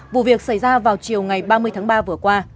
vụ việc xảy ra vào chiều ngày ba mươi tháng ba vừa qua